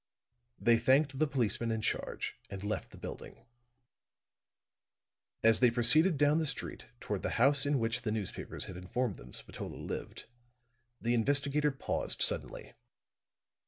They thanked the policeman in charge and left the building. As they proceeded down the street toward the house in which the newspapers had informed them Spatola lived, the investigator paused suddenly.